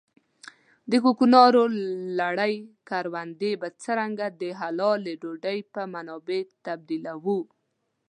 په کوکنارو لړلې کروندې به څرنګه د حلالې ډوډۍ په منابعو تبديلوو.